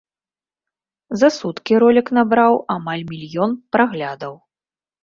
За суткі ролік набраў амаль мільён праглядаў.